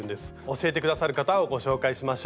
教えて下さる方をご紹介しましょう。